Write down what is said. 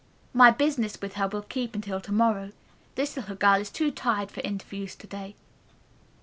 My business with her will keep until to morrow. This little girl is too tired for interviews to day."